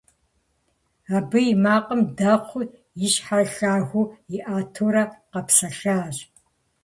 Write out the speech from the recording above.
Абы и макъым дэхъуу и щхьэр лъагэу иӀэтурэ къэпсэлъащ.